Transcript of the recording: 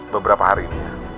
beberapa hari ini